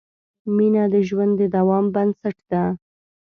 مینه د ژوند د دوام بنسټ ده.